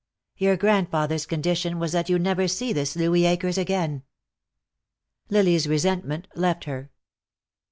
"Your grandfather's condition was that you never see this Louis Akers again." Lily's resentment left her.